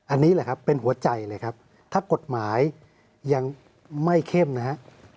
อันนี้แหละครับเป็นหัวใจเลยครับถ้ากฎหมายยังไม่เข้มนะฮะ